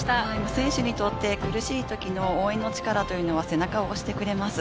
選手にとって苦しい時の応援の力は背中を押してくれます。